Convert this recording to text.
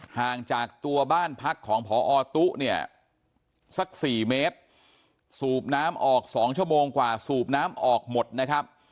ห่างจากตัวบ้านพักของพอตุ๊เนี่ยสัก๔เมตรสูบน้ำออก๒ชั่วโมงกว่าสูบน้ำออกหมดนะครับ